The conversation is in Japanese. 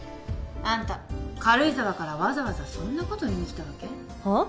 あんた軽井沢からわざわざそんなこと言いに来たわけ？はっ？